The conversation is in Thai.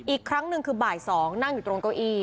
อีกครั้งหนึ่งคือบ่าย๒นั่งอยู่ตรงเก้าอี้